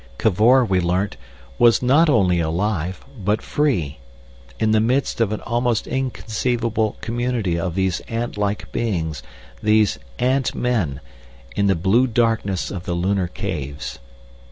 Cavor, we learnt, was not only alive, but free, in the midst of an almost inconceivable community of these ant like beings, these ant men, in the blue darkness of the lunar caves.